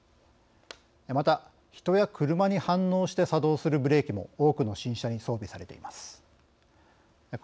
また人や車に反応して作動するブレーキも多くの新車に装備されています。